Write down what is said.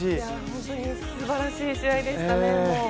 本当にすばらしい試合でしたね。